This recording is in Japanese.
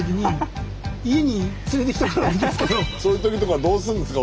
そういう時とかはどうするんですか？